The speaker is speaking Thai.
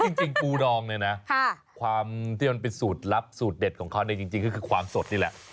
จริงปูดองเนี่ยนะความที่มันเป็นสูตรลับสูตรเด็ดของเขาเนี่ยจริงก็คือความสดนี่แหละ